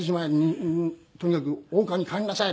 「とにかく大川に帰りなさい！」